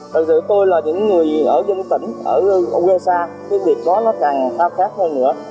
thật sự tôi là những người ở dân tỉnh ở quê xa cái việc đó nó càng khác hơn nữa